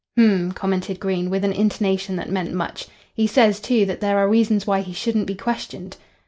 "H'm," commented Green, with an intonation that meant much. "He says, too, that there are reasons why he shouldn't be questioned."